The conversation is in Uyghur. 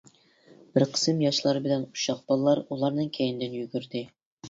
بىر قىسىم ياشلار بىلەن ئۇششاق بالىلار ئۇلارنىڭ كەينىدىن يۈگۈردى.